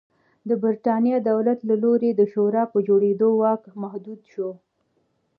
د برېټانیا دولت له لوري د شورا په جوړېدو واک محدود شو.